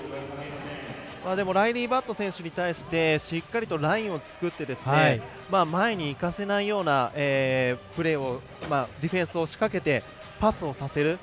ライリー・バット選手に対してしっかりとラインを作って前に行かせないようなプレーをディフェンスを仕掛けてパスをさせる。